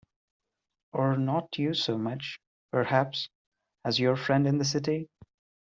Or not you so much, perhaps, as your friend in the city?